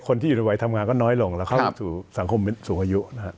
คนที่อยู่ด้วยไว้ทำงานก็น้อยลงและเข้าสู่สังคมสูงอายุ